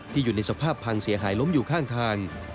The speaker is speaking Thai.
อยู่ในสภาพพังเสียหายล้มอยู่ข้างทาง